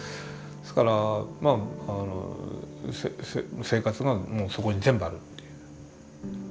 ですからまあ生活がもうそこに全部あるという。